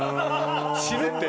死ぬって。